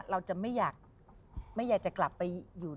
เราจะไม่อยากจะกลับไปอยู่